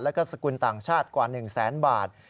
แล้วก็สกุลต่างชาติกว่า๑แสนบาท